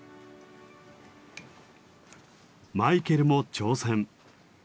マイケルも挑戦。